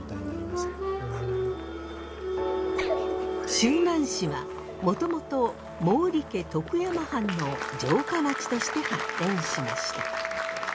周南市はもともと毛利家徳山藩の城下町として発展しました。